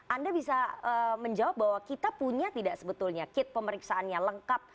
anda bisa menjawab bahwa kita punya tidak sebetulnya kit pemeriksaan yang lengkap